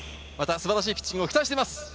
素晴らしいピッチングを期待しています。